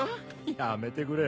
やめてくれ。